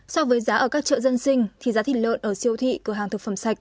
so với giá ở các chợ dân sinh thì giá thịt lợn ở siêu thị cửa hàng thực phẩm sạch